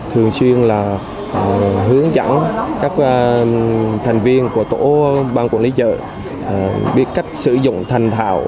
thường xuyên là hướng dẫn các thành viên của tổ ban quản lý chợ biết cách sử dụng thành thạo